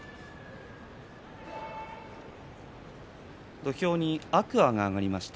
土俵に天空海が上がりました。